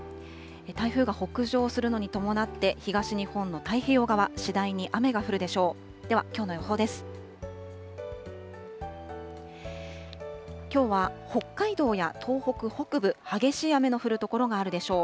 台風が北上するのに伴って、東日本の太平洋側、次第に雨が降るでしょう。